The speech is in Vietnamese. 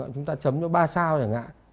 chúng ta chấm cho ba sao chẳng hạn